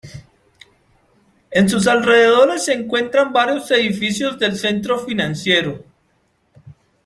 En sus alrededores se encuentran varios edificios del Centro Financiero.